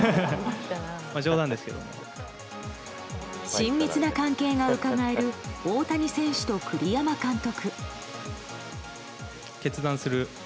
親密な関係がうかがえる大谷選手と栗山監督。